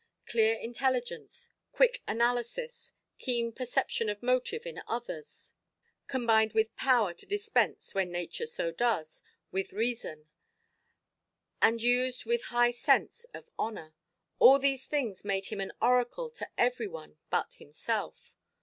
Clear intelligence, quick analysis, keen perception of motive in others, combined with power to dispense (when nature so does) with reason, and used with high sense of honour—all these things made him an oracle to every one but himself.